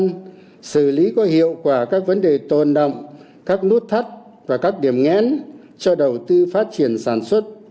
giải lý có hiệu quả các vấn đề tồn đọng các nút thắt và các điểm ngén cho đầu tư phát triển sản xuất